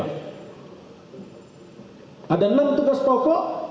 ada enam tugas pokok